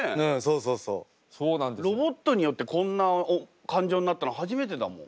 ロボットによってこんな感情になったの初めてだもん。